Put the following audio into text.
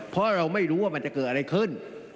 เพราะเราไม่รู้ว่ามันจะเกิดอะไรขึ้น